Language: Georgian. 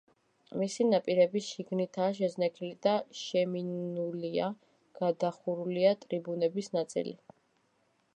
მისი ნაპირები შიგნითაა შეზნექილი და შემინულია, გადახურულია ტრიბუნების ნაწილი.